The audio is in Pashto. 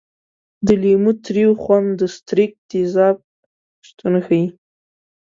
د لیمو تریو خوند د ستریک تیزاب شتون ښيي.